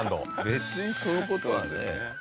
別にその事はね。